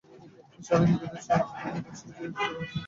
খ্রীষ্টানরা হিন্দুদের নিকট শিখিতে পারেন, হিন্দুরাও খ্রীষ্টানদের নিকট।